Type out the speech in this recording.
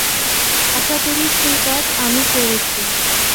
আশা করি, সে কাজ আমি করেছি।